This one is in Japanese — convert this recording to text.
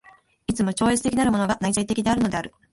いつも超越的なるものが内在的であるのである。